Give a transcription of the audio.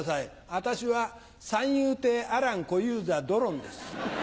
私は三遊亭アラン小遊三ドロンです。